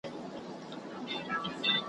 د دنیا مینه چې نه وي ژوند حرام دی